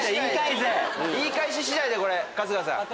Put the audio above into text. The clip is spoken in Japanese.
言い返し次第でこれ春日さん。